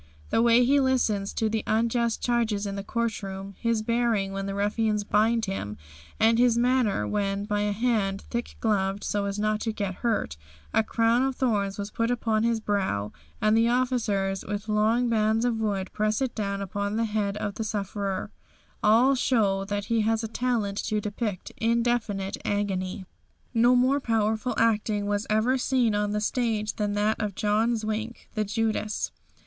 The way he listens to the unjust charges in the court room, his bearing when the ruffians bind him, and his manner when, by a hand, thick gloved so as not to get hurt, a crown of thorns was put upon his brow, and the officers with long bands of wood press it down upon the head of the sufferer, all show that he has a talent to depict infinite agony. No more powerful acting was ever seen on the stage than that of John Zwink, the Judas.